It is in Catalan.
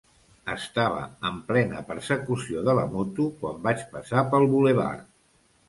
Estava en plena persecució de la moto quan vaig passar pel bulevard.